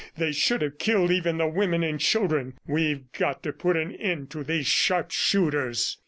They should have killed even the women and children. We've got to put an end to these sharpshooters."